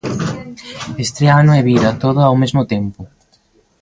Estrea ano e vida, todo ao mesmo tempo.